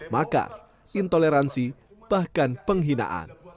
maka intoleransi bahkan penghinaan